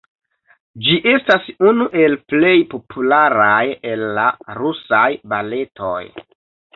Ĝi estas unu el plej popularaj el la Rusaj Baletoj.